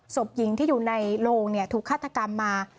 ศพหญิงที่อยู่ในโรงถูกฆาตกรรมมา